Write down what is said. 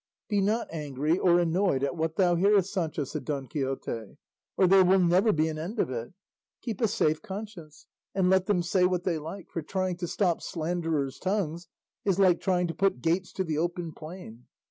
"Be not angry or annoyed at what thou hearest, Sancho," said Don Quixote, "or there will never be an end of it; keep a safe conscience and let them say what they like; for trying to stop slanderers' tongues is like trying to put gates to the open plain.